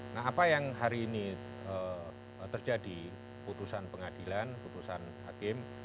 nah apa yang hari ini terjadi putusan pengadilan putusan hakim